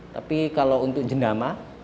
tapi kalau untuk jendama